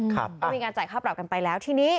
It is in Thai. ก็มีการจ่ายค่าปรับกันไปแล้วทีนี้